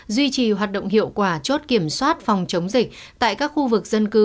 duy trì hoạt động hiệu quả chốt kiểm soát phòng chống dịch tại các khu vực dân cư